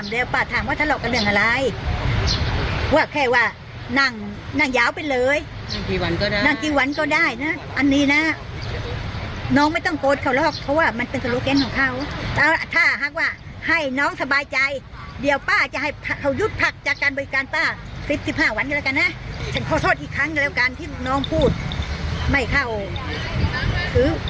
แล้วเขาก็ต้องเอาไว้บริการหวังค้านี้อีก